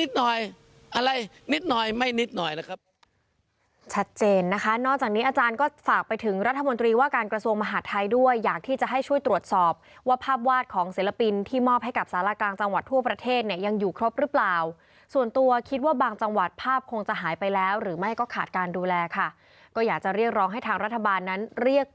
นิดหน่อยอะไรนิดหน่อยไม่นิดหน่อยนะครับชัดเจนนะคะนอกจากนี้อาจารย์ก็ฝากไปถึงรัฐมนตรีว่าการกระทรวงมหาดไทยด้วยอยากที่จะให้ช่วยตรวจสอบว่าภาพวาดของศิลปินที่มอบให้กับสารกลางจังหวัดทั่วประเทศเนี่ยยังอยู่ครบหรือเปล่าส่วนตัวคิดว่าบางจังหวัดภาพคงจะหายไปแล้วหรือไม่ก็ขาดการดูแลค่ะก็อยากจะเรียกร้องให้ทางรัฐบาลนั้นเรียกค